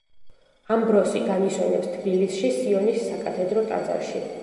ამბროსი განისვენებს თბილისში, სიონის საკათედრო ტაძარში.